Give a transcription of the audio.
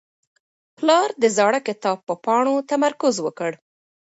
پلار د زاړه کتاب په پاڼو تمرکز وکړ.